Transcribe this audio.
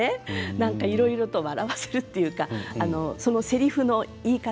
何かいろいろ笑わせるというかせりふの言い方